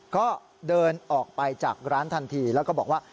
ก็เดินออกไปจากร้านทันทีแล้วก็บอกว่า